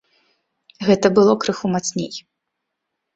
Гэта было крыху мацней.